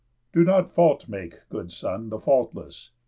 "Do not faulty make, Good son, the faultless.